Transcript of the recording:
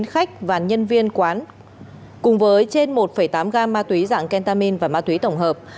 khách và nhân viên quán cùng với trên một tám gam ma túy dạng kentamin và ma túy tổng hợp